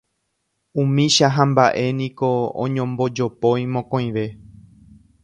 Umícha hamba'e niko oñombojopói mokõive.